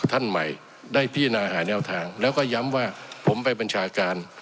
ท่านใหม่ได้พิจารณาหาแนวทางแล้วก็ย้ำว่าผมไปบัญชาการ